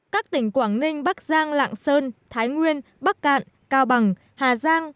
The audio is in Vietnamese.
các tỉnh quảng ninh bắc giang lạng sơn thái nguyên bắc cạn cao bằng hà giang